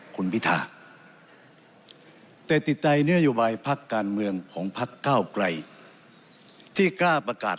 คุณพิธาแต่ติดใจนโยบายพักการเมืองของพักเก้าไกลที่กล้าประกาศ